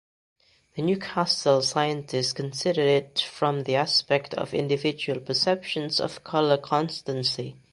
The Newcastle scientists considered it from the aspect of individual perception of colour constancy.